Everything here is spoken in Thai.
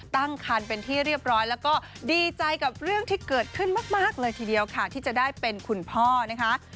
ตั้งคันเป็นที่เรียบร้อยแล้วก็ดีใจกับเรื่องที่เกิดขึ้นมากเลยทีเดียวค่ะที่จะได้เป็นคุณพ่อนะคะ